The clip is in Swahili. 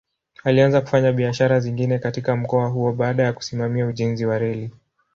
Alianza kufanya biashara zingine katika mkoa huo baada ya kusimamia ujenzi wa reli.